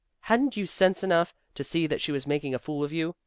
"Hadn't you sense enough to see that she was making a fool of you?